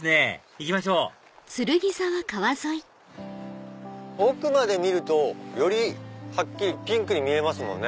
行きましょう奥まで見るとよりはっきりピンクに見えますもんね。